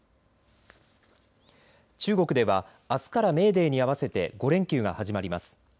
中国ではあすからメーデーに合わせて５連休が始まります。